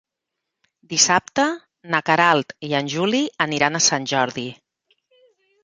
Dissabte na Queralt i en Juli aniran a Sant Jordi.